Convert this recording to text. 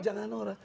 jangan jangan orang